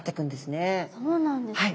そうなんですね。